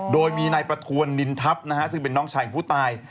โดยมีนายประทวนนินทัพนะฮะซึ่งเป็นน้องชายของผู้ตาย